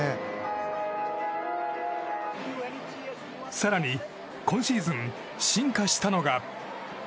更に今シーズン進化したのが。